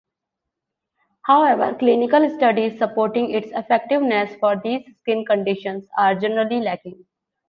However, clinical studies supporting its effectiveness for these skin conditions are generally lacking.